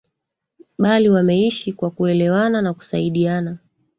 bali wameishi kwa kuelewana na kusaidiana